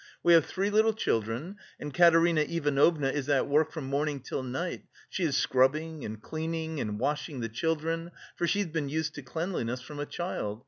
We have three little children and Katerina Ivanovna is at work from morning till night; she is scrubbing and cleaning and washing the children, for she's been used to cleanliness from a child.